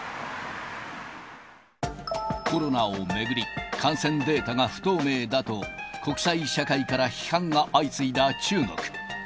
コロナを巡り、感染データが不透明だと、国際社会から批判が相次いだ中国。